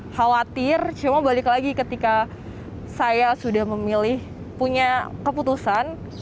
khawatir cuma balik lagi ketika saya sudah memilih punya keputusan